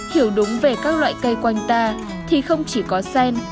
hiểu đúng về các loại cây quanh ta thì không chỉ có sen